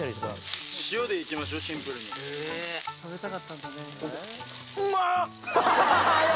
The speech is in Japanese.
食べたかったんだね。